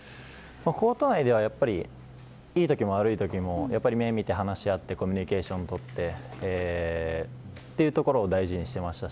コート内では、いいときも悪いときも目を見て話し合ってコミュニケーションを取ってというところを大事にしていました。